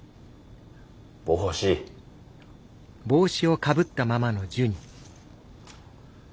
帽子。